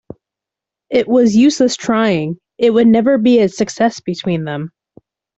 It was useless trying: it would never be a success between them.